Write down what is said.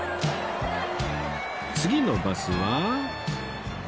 次のバスは